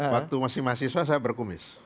waktu masih mahasiswa saya berkumis